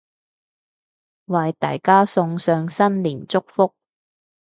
為大家送上新年祝福